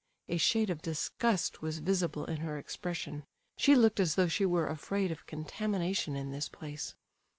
A shade of disgust was visible in her expression; she looked as though she were afraid of contamination in this place.